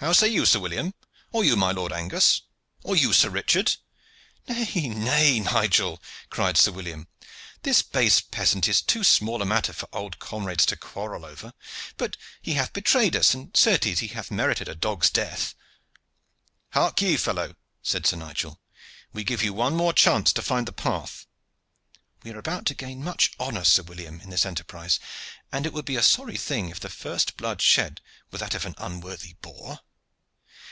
How say you, Sir William? Or you, my Lord of Angus? Or you, Sir Richard?" "Nay, nay, Nigel!" cried Sir William. "This base peasant is too small a matter for old comrades to quarrel over. But he hath betrayed us, and certes he hath merited a dog's death." "Hark ye, fellow," said Sir Nigel. "We give you one more chance to find the path. We are about to gain much honor, Sir William, in this enterprise, and it would be a sorry thing if the first blood shed were that of an unworthy boor.